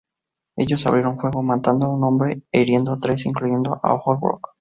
Ellos abrieron fuego, matando a un hombre e hiriendo a tres, incluyendo Holbrook.